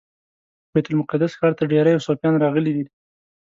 بیت المقدس ښار ته ډیری صوفیان راغلي دي.